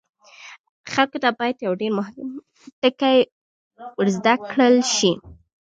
خلکو ته باید یو ډیر مهم ټکی ور زده کړل شي.